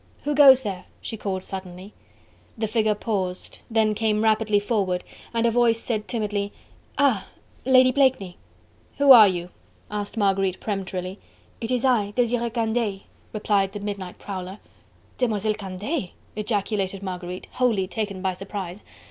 "Who goes there?" she called suddenly. The figure paused: then came rapidly forward, and a voice said timidly: "Ah! Lady Blakeney!" "Who are you?" asked Marguerite peremptorily. "It is I... Desiree Candeille," replied the midnight prowler. "Demoiselle Candeille!" ejaculated Marguerite, wholly taken by surprise.